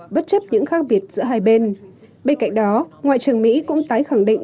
bất chấp những khác biệt giữa hai bên bên cạnh đó ngoại trưởng mỹ cũng tái khẳng định